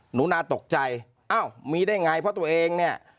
หนูน่าตกใจอ้าวมีได้ไงเพราะตัวเองเนี่ย